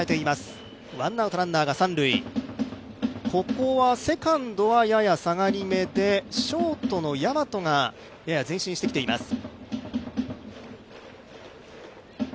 ここはセカンドはやや下がりめで、ショートの大和がやや前進してきています。